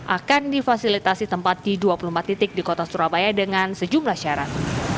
akan difasilitasi tempat di dua puluh empat titik di kota surabaya dengan sejumlah syarat